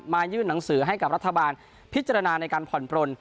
ยื่นหนังสือให้กับรัฐบาลพิจารณาในการผ่อนปลน